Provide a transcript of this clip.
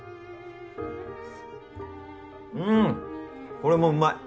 んこれもうまい。